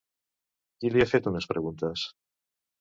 Qui li ha fet unes preguntes?